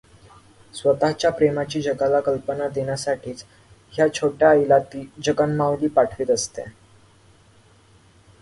स्वतःच्या प्रेमाची जगाला कल्पना देण्यासाठीच ह्या छोट्या आईला ती जगन्माऊली पाठवीत असते.